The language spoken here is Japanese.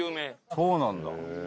そうなんだ。